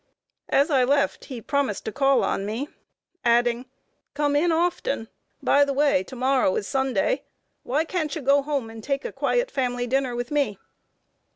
As I left, he promised to call on me, adding: "Come in often. By the way, to morrow is Sunday; why can't you go home and take a quiet family dinner with me?"